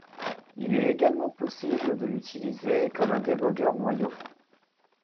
Il est également possible de l'utiliser comme un débogueur noyau.